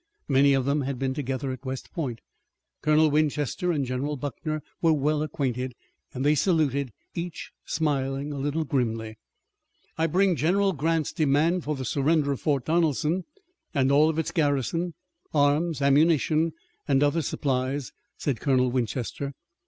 Many of them had been together at West Point. Colonel Winchester and General Buckner were well acquainted and they saluted, each smiling a little grimly. "I bring General Grant's demand for the surrender of Fort Donelson, and all its garrison, arms, ammunition, and other supplies," said Colonel Winchester.